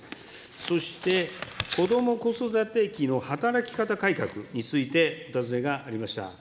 そして、こども・子育て期の働き方改革についてお尋ねがありました。